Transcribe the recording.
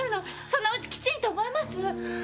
そのうち、きちんと覚えます。